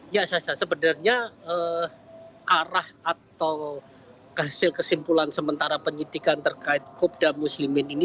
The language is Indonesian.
ya sasa sebenarnya arah atau hasil kesimpulan sementara penyidikan terkait kopda muslimin ini